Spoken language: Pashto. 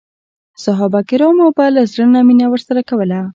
صحابه کرامو به له زړه نه مینه ورسره کوله.